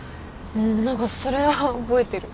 何かそれは覚えてる。